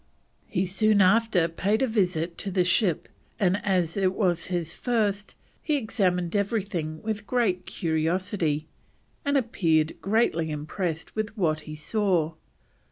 He soon after paid a visit to the ship, and as it was his first, he examined everything with great curiosity, and appeared greatly impressed with what he saw.